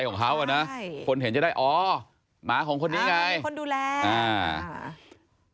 คือแค่รูปเรามาติดแค่นั้นเองแต่ว่าหมาตัวนี้อาจจะไม่โดนทำร้ายก็ได้